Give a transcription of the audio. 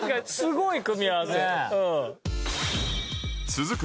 続く